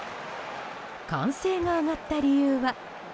歓声が上がった理由は。